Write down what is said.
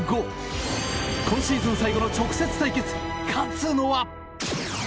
今シーズン最後の直接対決勝つのは。